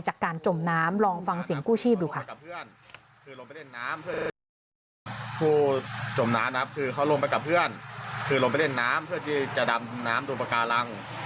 จากการจมน้ำลองฟังสิ่งกู้ชีพดูค่ะ